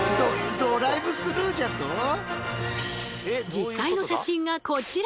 実際の写真がこちら！